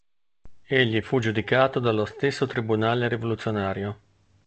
Egli fu giudicato dallo stesso tribunale rivoluzionario.